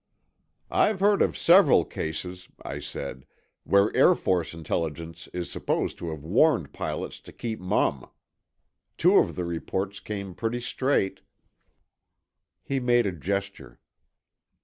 "I've heard of several cases," I said, "where Air Force Intelligence is supposed to have warned pilots to keep mum. Two of the reports come pretty straight." He made a gesture.